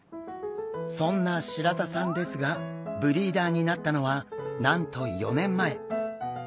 そんな白田さんですがブリーダーになったのはなんと４年前。